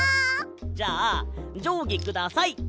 じゃあじょうぎください！